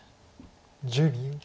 １０秒。